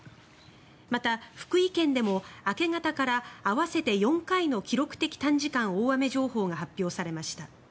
また、福井県でも明け方から合わせて４回の記録的短時間大雨情報が発表されました。